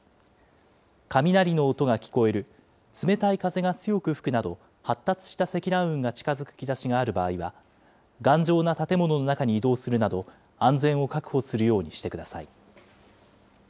雷の音が聞こえる、冷たい風が強く吹くなど、発達した積乱雲が近づく兆しがある場合は、頑丈な建物の中に移動するなど、安全を確保するようにしてください。